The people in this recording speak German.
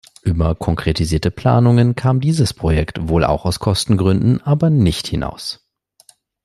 Über konkretisierte Planungen kam dieses Projekt, wohl auch aus Kostengründen, aber nicht hinaus.